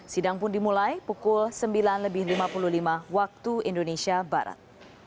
sidang pun dimulai pukul sembilan lebih lima puluh lima waktu indonesia barat